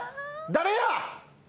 誰や！？